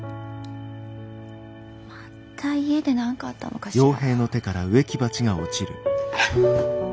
また家で何かあったのかしら。